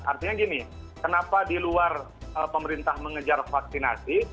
artinya gini kenapa di luar pemerintah mengejar vaksinasi